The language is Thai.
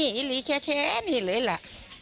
หรือลูกของสาวนะ